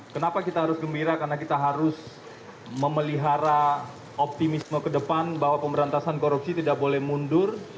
kenapa kita harus gembira karena kita harus memelihara optimisme ke depan bahwa pemberantasan korupsi tidak boleh mundur